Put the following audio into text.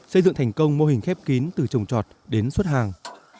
xây dựng thành công mô hình khép kín từ trồng trọt đến xuất hàng